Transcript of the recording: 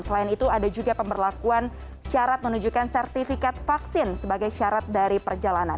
selain itu ada juga pemberlakuan syarat menunjukkan sertifikat vaksin sebagai syarat dari perjalanan